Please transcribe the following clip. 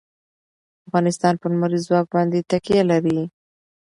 افغانستان په لمریز ځواک باندې تکیه لري.